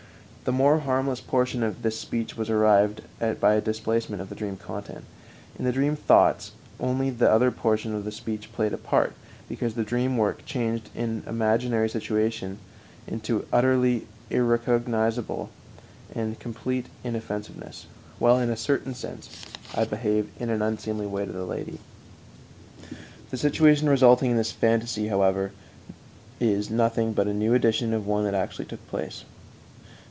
The more harmless portion of this speech was arrived at by a displacement of the dream content; in the dream thoughts only the other portion of the speech played a part, because the dream work changed an imaginary situation into utter irrecognizability and complete inoffensiveness (while in a certain sense I behave in an unseemly way to the lady). The situation resulting in this phantasy is, however, nothing but a new edition of one that actually took place.